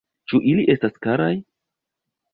Ĉu ili estas karaj?